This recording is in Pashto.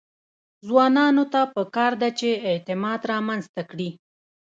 ځوانانو ته پکار ده چې، اعتماد رامنځته کړي.